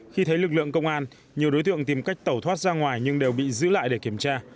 khi thấy lực lượng công an nhiều đối tượng tìm cách tẩu thoát ra ngoài nhưng đều bị giữ lại để kiểm tra